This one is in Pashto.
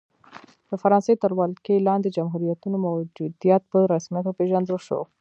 د فرانسې تر ولکې لاندې جمهوریتونو موجودیت په رسمیت وپېژندل شو.